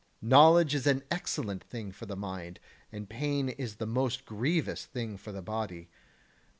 Knowledge is an excellent thing for the mind, and pain is the most grievous thing for the body.